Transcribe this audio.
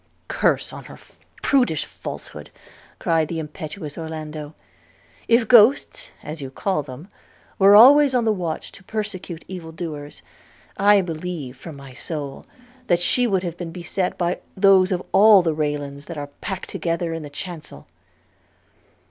'Curse on her prudish falsehood!' cried the impetuous Orlando. 'If ghosts, as you call them, were always on the watch to persecute evil doers, I believe from my soul that she would have been beset by those of all the Raylands that are packed together in the chancel.'